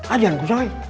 aduh jangan gusangin